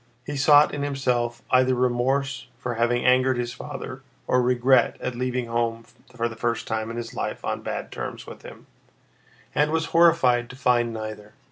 He sought in himself either remorse for having angered his father or regret at leaving home for the first time in his life on bad terms with him, and was horrified to find neither.